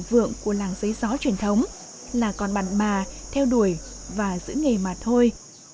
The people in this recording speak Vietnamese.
thời thịnh vượng của làng giấy gió truyền thống là còn bản bà theo đuổi và giữ nghề mặt thôi